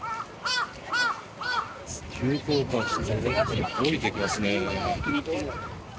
急降下して、下りてきますね。